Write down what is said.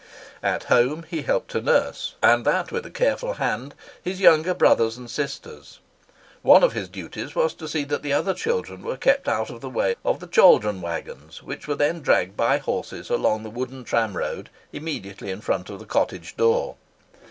At home he helped to nurse, and that with a careful hand, his younger brothers and sisters. One of his duties was to see that the other children were kept out of the way of the chaldron waggons, which were then dragged by horses along the wooden tramroad immediately in front of the cottage door.